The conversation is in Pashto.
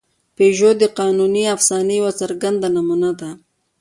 پيژو د قانوني افسانې یوه څرګنده نمونه ده.